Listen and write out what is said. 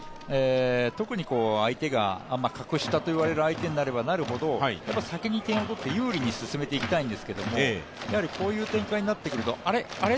特に相手が格下といわれる相手になればなるほど先に点を取って有利に進めていきたいんですけど、こういう展開になってくるとあれ？